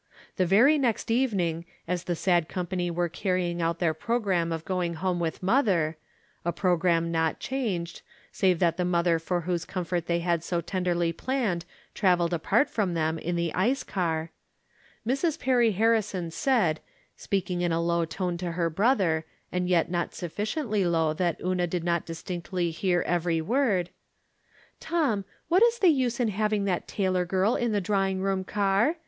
The very next evening, as the sad company were carrying out their programme of going home with mother (a programme not changed, save that the mother for whose comfort they had so tenderly planned traveled apart from them in the ice car), Mrs. Perry Harrison said, speaking in a low tone to her brother, and yet not sufficiently low that Una did not distinctly hear every word :" Tom, what is the use in having that Taylor girl iu the drawing room car